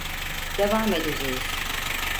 Devam edeceğiz.